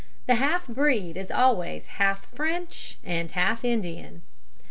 The half breed is always half French and half Indian.